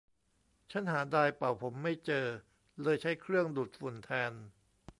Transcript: ชั้นหาไดร์เป่าผมไม่เจอเลยใช้เครื่องดูดฝุ่นแทน